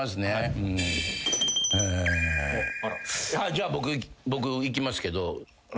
じゃ僕いきますけど。